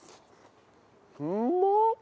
うまっ！